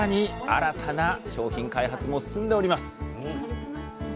新たな商品開発も進んでおります。